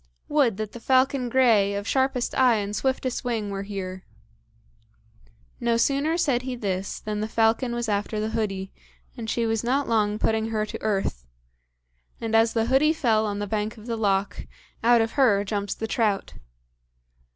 "Would that the falcon grey, of sharpest eye and swiftest wing were here!" No sooner said he this than the falcon was after the hoodie, and she was not long putting her to earth; and as the hoodie fell on the bank of the loch, out of her jumps the trout.